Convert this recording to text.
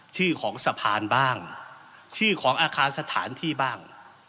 ชื่อของสะพานบ้างชื่อของอาคารสถานที่บ้าง